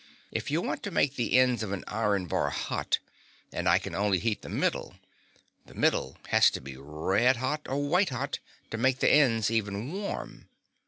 If I want to make the ends of an iron bar hot, and I can only heat the middle, the middle has to be red hot or white hot to make the ends even warm.